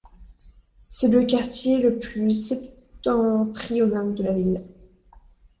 C'est le quartier le plus septentrional de la ville.